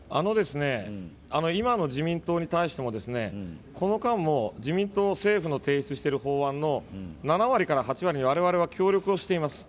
今の自民党に対してもこの間も自民党、政府が提出している法案の７割から８割に我々は協力をしています。